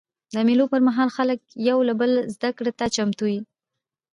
د مېلو پر مهال خلک یو له بله زدهکړې ته چمتو يي.